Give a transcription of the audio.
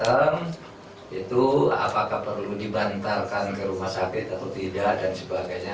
seumpama datang apakah perlu dibantalkan ke rumah sakit atau tidak dan sebagainya